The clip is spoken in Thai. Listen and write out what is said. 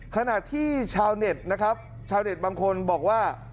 ขณะที่ชาวเน็ตนะครับชาวเน็ตบางคนบอกว่า